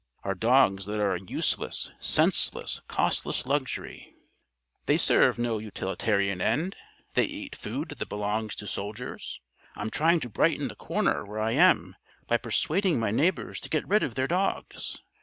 Our dogs that are a useless, senseless, costly luxury! They serve no utilitarian end. They eat food that belongs to soldiers. I'm trying to brighten the corner where I am by persuading my neighbors to get rid of their dogs.